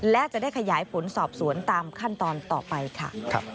และจะได้ขยายผลสอบสวนตามขั้นตอนต่อไปค่ะ